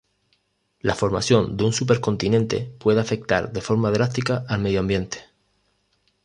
La formación de un supercontinente puede afectar de forma drástica al medio ambiente.